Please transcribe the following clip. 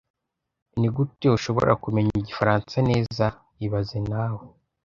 Nigute ushobora kumenya igifaransa neza ibaze nawe